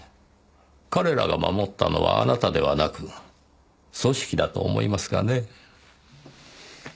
彼らが守ったのはあなたではなく組織だと思いますがね。